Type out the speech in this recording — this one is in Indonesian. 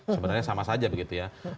sebenarnya sama saja begitu ya